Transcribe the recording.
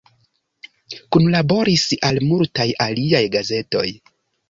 Kunlaboris al multaj aliaj gazetoj.